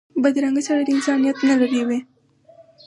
بدرنګه سړی د انسانیت نه لرې وي